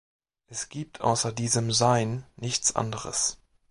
Es gibt außer diesem Sein nichts anderes.